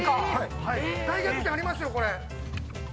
大逆転ありますよこれ。